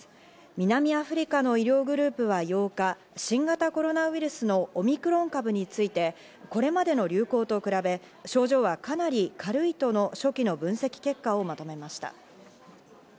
南アフリカの医療グループは８日、新型コロナウイルスのオミクロン株についてこれまでの流行と比べ、症状はかなり軽いとの初期の分析結果をまとめました。